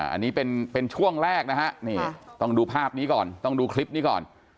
อันนี้เป็นช่วงแรกนะฮะนี่ต้องดูภาพนี้ก่อนต้องดูคลิปนี้ก่อน